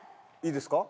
いいですか？